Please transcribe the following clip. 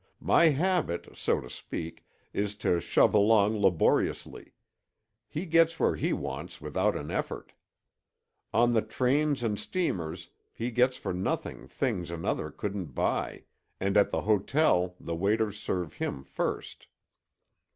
My habit, so to speak, is to shove along laboriously; he gets where he wants without an effort. On the trains and steamers he gets for nothing things another couldn't buy, and at the hotel the waiters serve him first.